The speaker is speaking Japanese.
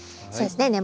そうですね